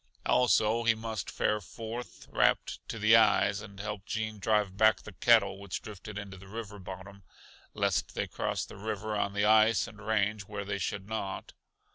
Also he must fare forth, wrapped to the eyes, and help Gene drive back the cattle which drifted into the river bottom, lest they cross the river on the ice and range where they should not.